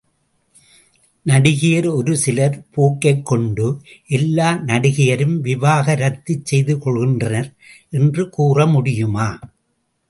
நடிகையர் ஒரு சிலர் போக்கைக்கொண்டு எல்லா நடிகையரும் விவாக ரத்து செய்து கொள்கின்றனர் என்று கூற முடியுமா.